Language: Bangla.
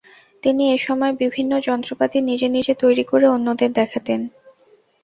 তিনি এ সময় বিভিন্ন যন্ত্রপাতি নিজে নিজে তৈরি করে অন্যদের দেখাতেন।